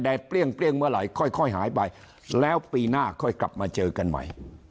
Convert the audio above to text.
เปรี้ยงเมื่อไหร่ค่อยหายไปแล้วปีหน้าค่อยกลับมาเจอกันใหม่